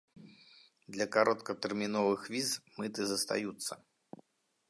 Для кароткатэрміновых віз мыты застаюцца.